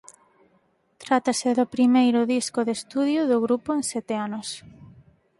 Trátase do primeiro disco de estudio do grupo en sete anos.